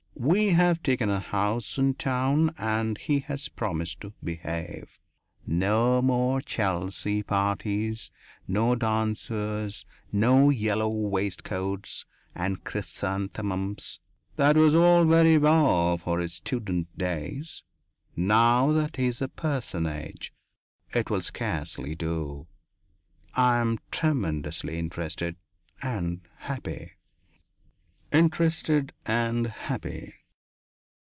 We have taken a house in town and he has promised to behave no more Chelsea parties, no dancers, no yellow waistcoats and chrysanthemums. That was all very well for his 'student' days. Now that he is a personage, it will scarcely do. I am tremendously interested and happy...." Interested and happy!